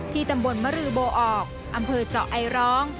ตำบลมรือโบออกอำเภอเจาะไอร้อง